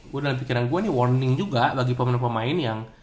gue dalam pikiran gue ini warning juga bagi pemain pemain yang